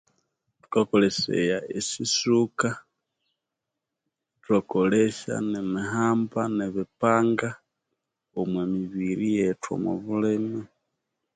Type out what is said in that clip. Thukakoleseya esisuku ithwakolesya nemihamba ne bipanga omwa mibiri yethu omwa bulime